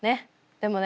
でもね